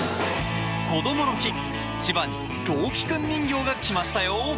こどもの日、千葉に朗希くん人形が来ましたよ。